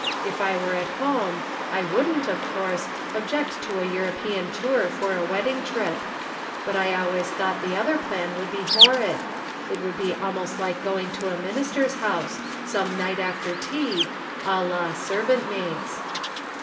If I were at JE'rom Different Standpoints. . 85 hoine I ■wouldn't, of course, object to a European tour for a "wedding trip ; but T always thought the other plan would be horrid ; it "would be al most like going to a minister's house, some night after tea, a la servant maids.